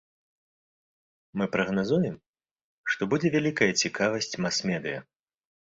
Мы прагназуем, што будзе вялікая цікавасць мас-медыя.